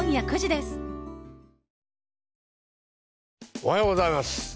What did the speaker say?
おはようございます。